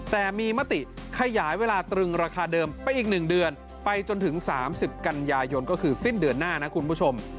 แต่มีมติขยายเวลาตรึงราคาเดิมไปอีก๑เดือนไปจนถึง๓๐กันยายนก็คือสิ้นเดือนหน้านะคุณผู้ชม